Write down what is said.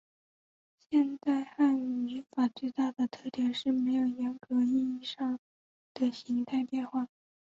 现代汉语语法最大的特点是没有严格意义的形态变化。